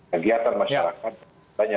kegiatan masyarakat banyak